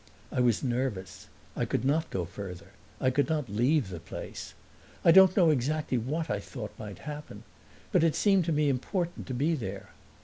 I was nervous; I could not go further; I could not leave the place. I don't know exactly what I thought might happen, but it seemed to me important to be there.